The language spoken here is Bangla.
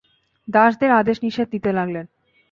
দাসদের আদেশ-নিষেধ দিতে লাগলেন।